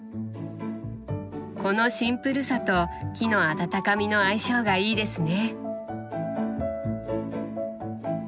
このシンプルさと木の温かみの相性がいいですね。